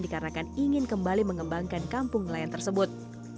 dikarenakan ingin kembali mengembangkan kampung nelayan tersebut